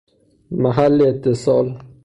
محل اتصال